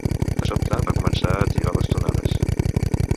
De sobte va començar a etzibar bastonades.